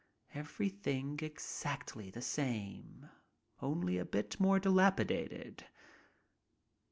Everything exactly the same, only a bit more dilapidated.